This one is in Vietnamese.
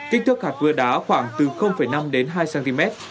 kích thước hạt cưa đá khoảng từ năm đến hai cm